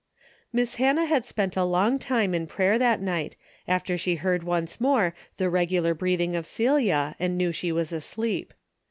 Miss Hannah had spent a long time in A DAILY BATE:^ 185 prayer that night, after she heard once more the regular breathing of Celia, and knew she was asleep.